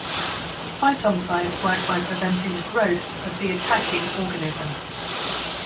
Phytoncides work by preventing the growth of the attacking organism.